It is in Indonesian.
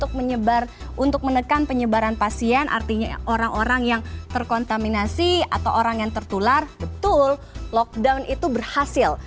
untuk menekan penyebaran pasien artinya orang orang yang terkontaminasi atau orang yang tertular betul lockdown itu berhasil